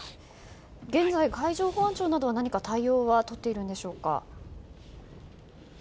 現在海上保安庁などは対応を取っているんでしょうか？